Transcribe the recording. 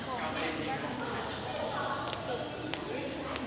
โปรดติดตามตอนต่อไป